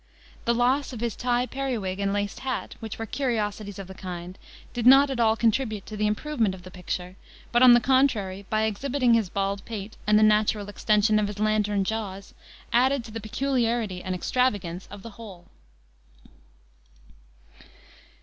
The loss of his tie periwig and laced hat, which were curiosities of the kind, did not at all contribute to the improvement of the picture, but, on the contrary, by exhibiting his bald pate, and the natural extension of his lantern jaws, added to the peculiarity and extravagance of the whole.